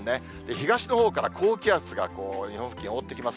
東のほうから高気圧が日本付近、覆ってきます。